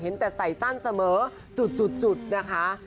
แต่ใส่สั้นเสมอจุดนะคะ